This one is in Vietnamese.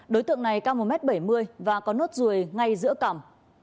đối tượng này cao một m bảy mươi và có nốt rùi ngay giữa cẳm